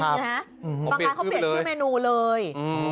บางร้านเขาเปลี่ยนชื่อเมนูเลย